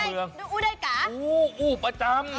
อู้ประจำ